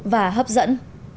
và hấp dẫn